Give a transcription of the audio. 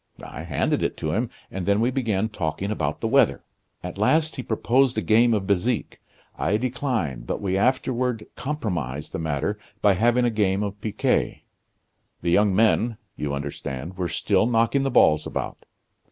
I handed it to him, and then we began talking about the weather. At last he proposed a game of bezique. I declined, but we afterward compromised the matter by having a game of piquet. The young men, you understand, were still knocking the balls about.